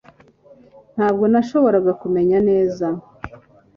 Ntabwo nashoboraga kumenya neza